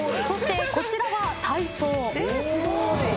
そしてこちらは体操。